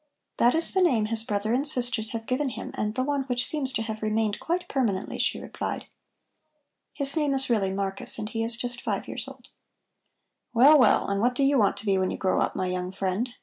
"That is the name his brother and sisters have given him and the one which seems to have remained quite permanently," she replied. "His name is really Marcus and he is just five years old." "Well, well, and what do you want to be when you grow up, my young friend?"